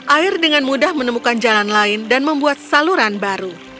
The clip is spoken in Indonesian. air dengan mudah menemukan jalan lain dan membuat saluran baru